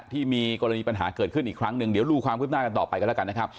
ที่มีกรณีปัญหาเกิดขึ้นอีกครั้งหนึ่งเดี๋ยวดูความคืบหน้ากันต่อไปกันแล้วกันนะครับ